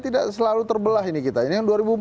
tidak selalu terbelah ini kita ini yang dua ribu empat belas